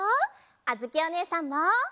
あづきおねえさんも！